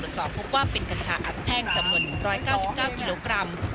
สอบพบว่าเป็นกัญชาอัดแท่งจำนวน๑๙๙กิโลกรัม